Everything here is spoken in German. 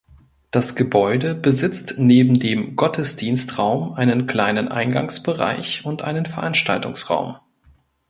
Das Gebäude besitzt neben dem Gottesdienstraum einen kleinen Eingangsbereich und einen Veranstaltungsraum.